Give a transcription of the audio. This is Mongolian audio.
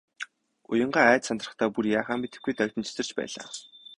Уянгаа айж сандрахдаа бүр яахаа мэдэхгүй дагжин чичирч байлаа.